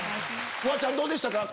フワちゃんどうでしたか？